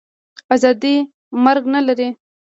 آزادي مرګ نه لري.